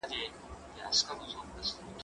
زه بايد مينه وښيم،